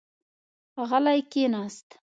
غلی کېناست.